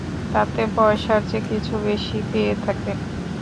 তাতে পয়সার চেয়ে কিছু বেশি পেয়ে থাকে।